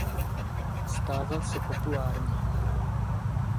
Stával se populárním.